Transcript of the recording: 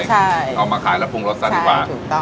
เอามาขายแล้วปรุงรสซะดีกว่าถูกต้อง